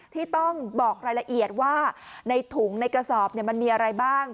ที่ต้องบอกรายละเอียดว่าในถุงในกระสอบมันมีอะไรบ้าง